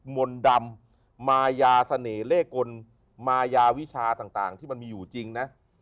มนต์ดำมายาเสน่ห์เลขกลมายาวิชาต่างที่มันมีอยู่จริงนะ